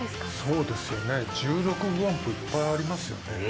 そうですよね